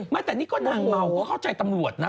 ไม่แต่นี่ก็นางเมาก็เข้าใจตำรวจนะ